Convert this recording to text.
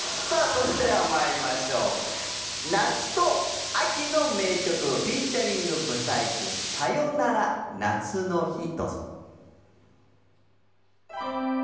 それではまいりましょう夏と秋の名曲フィーチャリング舞祭組「さよなら夏の日」